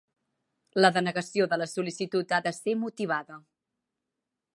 La denegació de la sol·licitud ha de ser motivada.